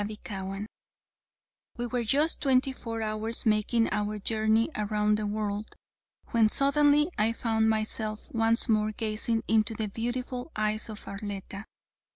CHAPTER X We were just twenty four hours making our journey around the world, when suddenly I found myself once more gazing into the beautiful eyes of Arletta.